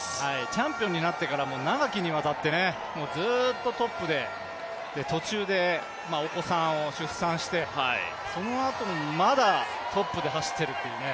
チャンピオンになってから長きにわたってずっとトップで、途中でお子さんを出産して、そのあと、まだトップで走っているっていうね